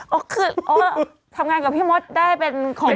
เอาวะคือเอาวะทำงานกับพี่มธิได้เป็นของกอง